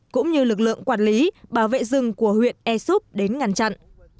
cũng như lực lượng quản lý bảo vệ rừng của huyện e súp đến ngăn chặn